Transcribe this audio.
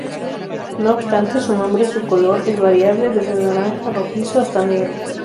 No obstante su nombre su color es variable, desde naranja-rojizo hasta negro.